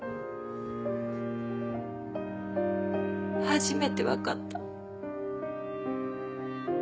初めて分かった。